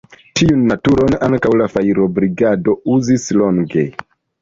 Tiun turon ankaŭ la fajrobrigado uzis longe.